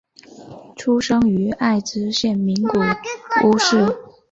出生于爱知县名古屋市。